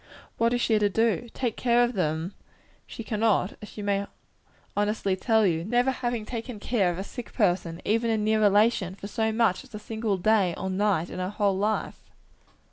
What is she to do? Take care of them herself she cannot, as she may honestly tell you; having never taken care of a sick person, even a near relation, for so much as a single day or night in her whole life!